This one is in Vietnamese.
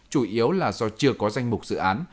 chủ yếu là do chưa có danh mục dự án